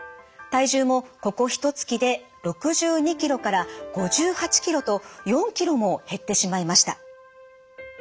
体重もここひとつきで６２キロから５８キロと４キロも減ってしまいました。